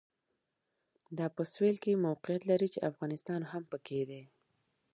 دا په سوېل کې موقعیت لري چې افغانستان هم پکې دی.